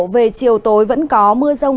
về chiều tối vẫn có mưa rông